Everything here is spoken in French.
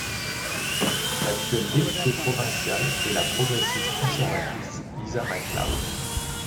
L'actuelle députée provinciale est la progressiste-conservatrice Lisa MacLeod.